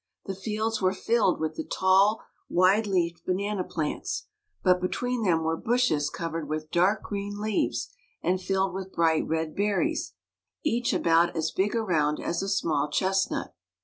The fields were filled with the tall, wide leaved banana plants, but between them were bushes covered with dark green leaves, and filled with bright red berries, each about as big around as a small chestnut.